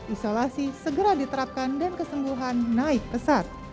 isolasi segera diterapkan dan kesembuhan naik pesat